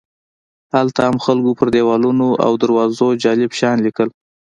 هلته هم خلکو پر دیوالونو او دروازو جالب شیان لیکل.